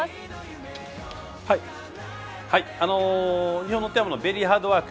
日本にとってはベリーハードワーク。